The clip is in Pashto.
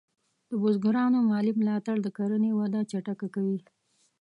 د بزګرانو مالي ملاتړ د کرنې وده چټکه کوي.